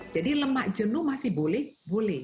jadi lemak jenuh masih boleh boleh